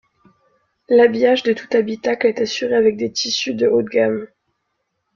L'habillage de tout l'habitacle est assuré avec des tissus de haut de gamme.